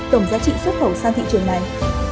tổng giá trị xuất khẩu sang thị trường này